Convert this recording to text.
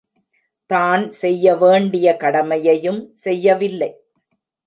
தான் செய்ய வேண்டிய கடமையையும் செய்யவில்லை.